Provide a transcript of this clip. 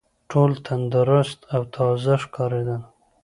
ټول تندرست او تازه ښکارېدل.